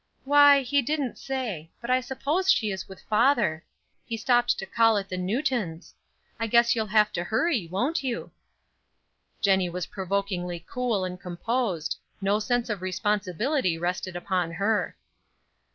"Why, he didn't say; but I suppose she is with father. He stopped to call at the Newton's. I guess you will have to hurry, won't you?" Jennie was provokingly cool and composed; no sense of responsibility rested upon her.